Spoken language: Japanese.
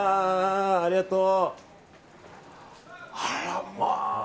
ありがとう。